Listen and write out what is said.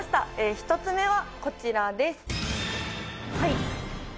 １つ目はこちらです。